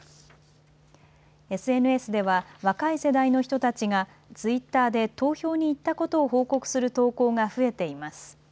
ＳＮＳでは若い世代の人たちがツイッターで投票に行ったことを報告する投稿が増えています。